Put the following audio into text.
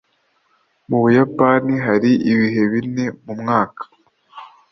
Mu Buyapani hari ibihe bine mu mwaka.